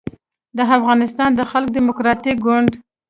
د افغانستان د خلق دیموکراتیک ګوند